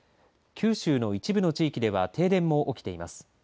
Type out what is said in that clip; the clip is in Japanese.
九州の一部の地域では停電も起きています。